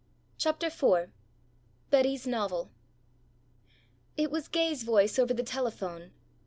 CHAPTER IV BETTY'S NOVEL IT was Gay's voice over the telephone.